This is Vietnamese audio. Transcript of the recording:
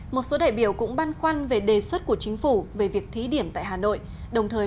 một số đại biểu cũng băn khoăn về đề xuất của chính phủ về việc thí điểm tại hà nội